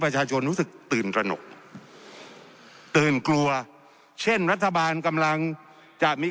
ประชาชนรู้สึกตื่นตระหนกตื่นกลัวเช่นรัฐบาลกำลังจะมี